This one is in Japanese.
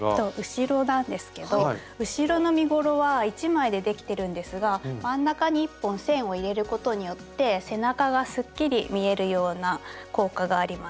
後ろなんですけど後ろの身ごろは１枚でできてるんですが真ん中に１本線を入れることによって背中がすっきり見えるような効果があります。